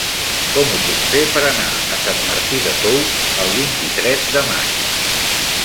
Com ho puc fer per anar a Sant Martí de Tous el vint-i-tres de maig?